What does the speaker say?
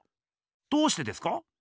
どうしてですか？